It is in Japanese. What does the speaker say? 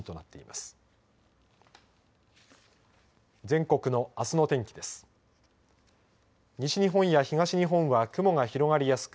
全国のあすの天気です。